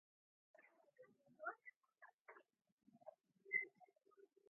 Females spawn in the benthic zone from October to February.